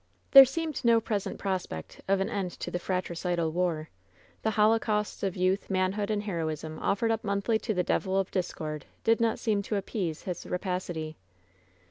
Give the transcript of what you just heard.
There seemed no present prospect of an end to the fratricidal war. The holocausts of youth, manhood and heroism offered up monthly to the Devil of Discord did not seem to appease his rapacity.